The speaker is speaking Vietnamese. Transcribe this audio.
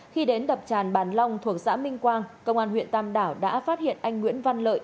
khi đến đập tràn bản long thuộc xã minh quang công an huyện tam đảo đã phát hiện anh nguyễn văn lợi